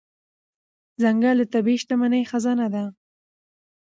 ځنګل د طبیعي شتمنۍ خزانه ده.